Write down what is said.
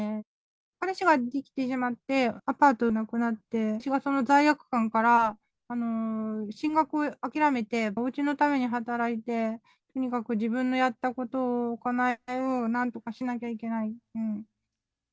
彼氏ができてしまって、アパートがなくなって、私がその罪悪感から、進学諦めて、おうちのために働いて、とにかく自分のやった行いをなんとかしなきゃいけない。